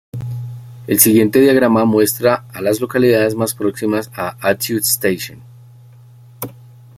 El siguiente diagrama muestra a las localidades más próximas a Attu Station.